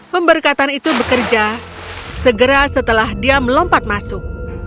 pemberkatan itu bekerja segera setelah dia melompat masuk